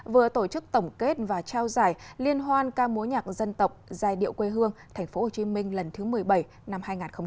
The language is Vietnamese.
vừa tổ chức tổng kết và trao giải liên hoan ca mối nhạc dân tộc giai điệu quê hương tp hcm lần thứ một mươi bảy năm hai nghìn hai mươi